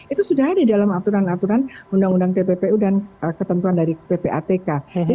itu sudah ada di dalam aturan aturan undang undang tppu dan ketentuan dari ppatk